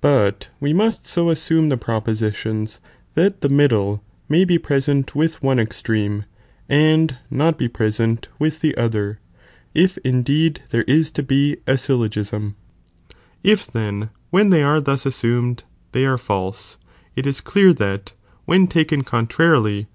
Csmei"m, oi hut we must so assume the propositions that the m*" 'flfn""' ('•'''^''l^) ™^y ti^ present with one (extreme), and Ce.are. not be present with the other, if indeed there ia XinSndBguri!. (^),£ g gyllogisni.J If then, wheikthey are thus assumed, they are false, it is cleat that, when taken conlrarily.